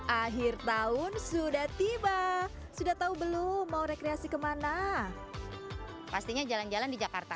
akhir tahun sudah tiba sudah tahu belum mau rekreasi kemana pastinya jalan jalan di jakarta